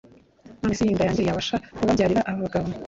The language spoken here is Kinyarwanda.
none se iyi nda yanjye yabasha kubabyarira abagabo